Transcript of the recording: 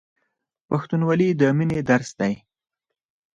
پښتونولي د مینې درس دی.